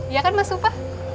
iya kan mas supa